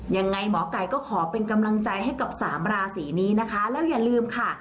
ยังไงหมอไก่ก็ขอเป็นกำลังใจให้กับสามราศีนี้นะคะแล้วอย่าลืมค่ะ